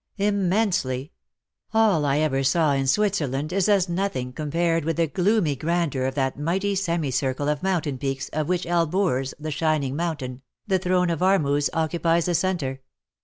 '^" Immensely. All I ever saw in Switzerland is as nothing compared with the gloomy grandeur of that mighty semicircle of mountain peaks_, of which ElburZ; the shining mountain, the throne of Ormuzd, occupies the centre.''